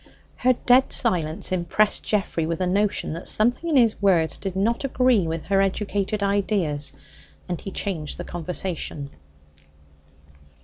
Her dead silence impressed Geoffrey with the notion that something in his words did not agree with her educated ideas, and he changed the conversation.